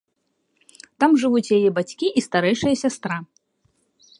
Там жывуць яе бацькі і старэйшая сястра.